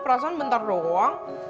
perasaan bentar doang